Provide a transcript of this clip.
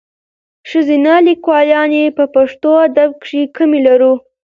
ښځینه لیکوالاني په پښتو ادب کښي کمي لرو.